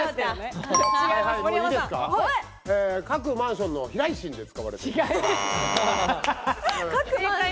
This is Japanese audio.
各マンションの避雷針に使われている。